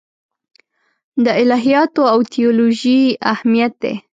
د الهیاتو او تیولوژي اهمیت دی.